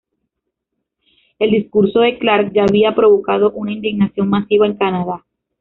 El discurso de Clark ya había provocado una indignación masiva en Canadá.